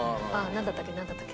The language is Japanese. なんだったっけ？